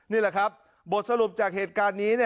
นี่แหละครับบทสรุปจากเหตุการณ์นี้